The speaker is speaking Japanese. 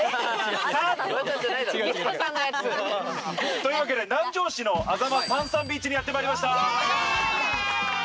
というわけで南城市のあざまサンサンビーチにやってまいりました。